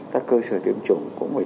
các cơ sở tiêm chủng cũng phải